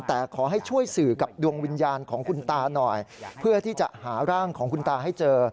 แต่ขอให้ช่วยสื่อกับดวงวิญญาณของคุณตาหน่อยเพื่อที่จะหาร่างของคุณตาให้เจอ